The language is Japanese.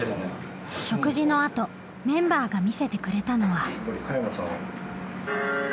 食事のあとメンバーが見せてくれたのは。